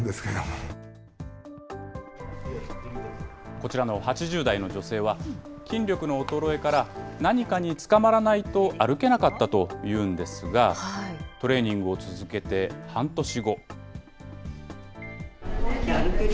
こちらの８０代の女性は、筋力の衰えから、何かにつかまらないと歩けなかったというんですが、トレーニングを続けて半年後。